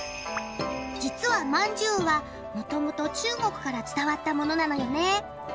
実は饅頭はもともと中国から伝わったものなのよね。